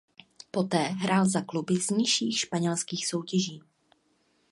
Poté hrál za kluby z nižších španělských soutěží.